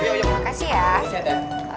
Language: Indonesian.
udah yuk yuk yuk